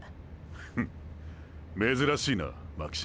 フッ珍しいな巻島。